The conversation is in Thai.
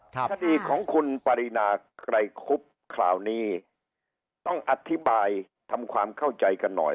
คดีของคุณปรินาไกรคุบคราวนี้ต้องอธิบายทำความเข้าใจกันหน่อย